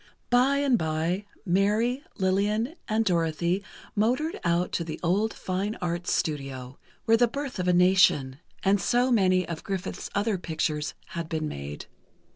By and by, Mary, Lillian and Dorothy, motored out to the old Fine Arts Studio, where "The Birth of a Nation" and so many of Griffith's other pictures, had been made.